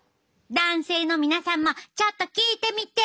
男性の皆さんもちょっと聞いてみて！